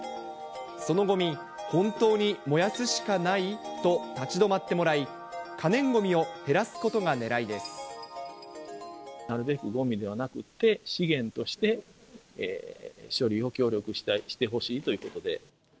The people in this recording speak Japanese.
そのごみ、本当に燃やすしかない？と立ち止まってもらい、可燃ごみなるべくごみではなくって、資源として処理を協力してほしいということで。